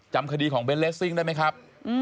จำคดีของเบนเลสซิ่งได้ไหมครับ